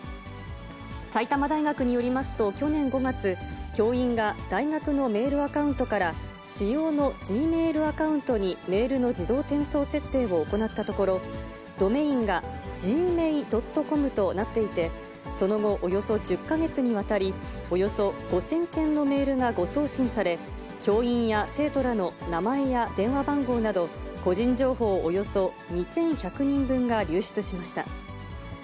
埼玉大学によりますと、去年５月、教員が大学のメールアカウントから、私用のＧｍａｉｌアカウントにメールの自動転送設定を行ったところ、ドメインがＧｍａｉ．ｃｏｍとなっていて、その後、およそ１０か月にわたり、およそ５０００件のメールが誤送信され、教員や生徒らの名前や電話番号など、個人情報およそ２１００人分が流出しました。